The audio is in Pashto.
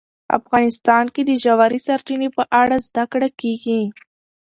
افغانستان کې د ژورې سرچینې په اړه زده کړه کېږي.